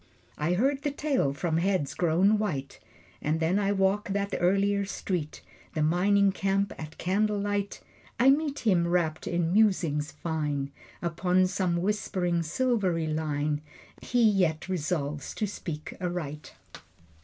I hear the tale from heads grown white. And then I walk that earlier street, The mining camp at candle light. I meet him wrapped in musings fine Upon some whispering silvery line He yet resolves to speak aright.